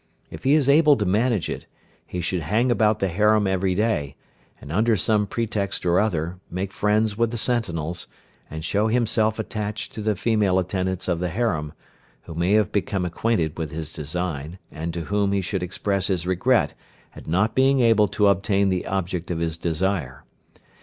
If he is able to manage it, he should hang about the harem every day, and, under some pretext or other, make friends with the sentinels, and show himself attached to the female attendants of the harem, who may have become acquainted with his design, and to whom he should express his regret at not being able to obtain the object of his desire.